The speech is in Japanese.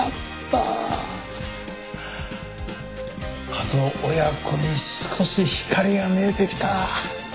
あの親子に少し光が見えてきた。